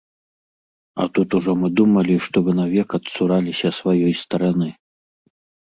А тут ужо мы думалі, што вы навек адцураліся сваёй стараны.